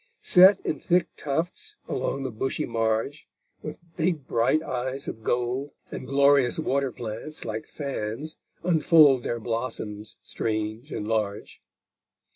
Set in thick tufts along the bushy marge With big bright eyes of gold; And glorious water plants, like fans, unfold Their blossoms strange and large.